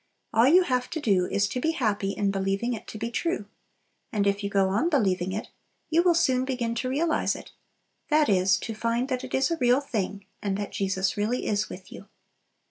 All you have to do is to be happy in believing it to be true. And if you go on believing it, you will soon begin to realize it; that is, to find that it is a real thing, and that Jesus really is with you.